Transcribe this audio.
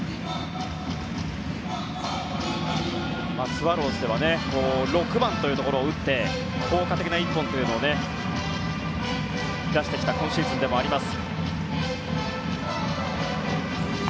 スワローズでは６番というところを打って効果的な一本を出してきた今シーズンではあります。